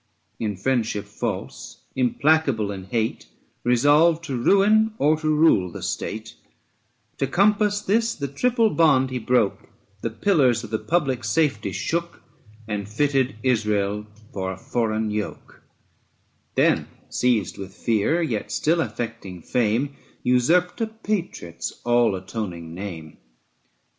In friendship false, implacable in hate, 6 Resolved to ruin or to rule the state ; To compass this the triple bond he broke The pillars of the public saTety shook, And fitted Israel for a foreign yoke; Then, seized with fear, yet still affecting fame, Usurped a patriot's all atoning name. ABSALOM AND ACHITOPHEL.